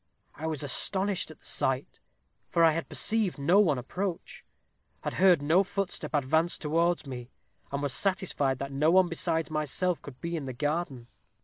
I was astonished at the sight, for I had perceived no one approach had heard no footstep advance towards me, and was satisfied that no one besides myself could be in the garden.